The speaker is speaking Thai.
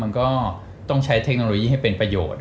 มันก็ต้องใช้เทคโนโลยีให้เป็นประโยชน์